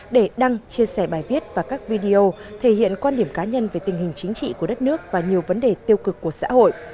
để đăng chia sẻ bài viết và các video thể hiện quan điểm cá nhân về tình hình chính trị của đất nước và nhiều vấn đề tiêu cực của xã hội